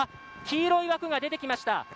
黄色い枠が出てきました。